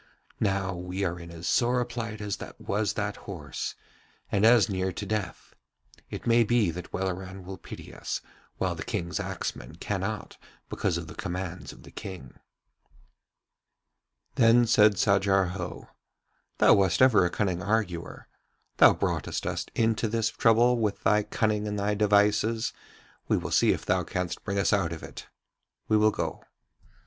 Now we are in as sore a plight as was that horse, and as near to death; it may be that Welleran will pity us, while the King's axeman cannot because of the commands of the King.' Then said Sajar Ho: 'Thou wast ever a cunning arguer. Thou broughtest us into this trouble with thy cunning and thy devices, we will see if thou canst bring us out of it. We will go.'